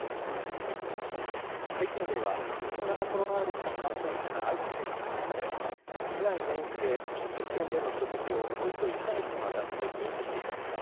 北京では新型コロナウイルスの感染者が相次いで確認され、市内全域で飲食店での食事を、およそ１か月にわたって禁止してきました。